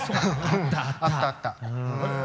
あったあった。